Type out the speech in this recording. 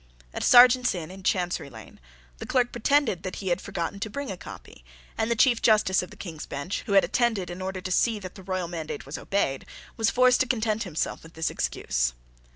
At Serjeant's Inn, in Chancery Lane, the clerk pretended that he had forgotten to bring a copy; and the Chief justice of the King's Bench, who had attended in order to see that the royal mandate was obeyed, was forced to content himself with this excuse.